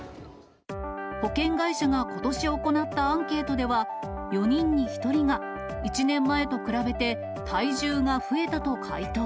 保険会社が、ことし行ったアンケートでは、４人に１人が１年前と比べて体重が増えたと回答。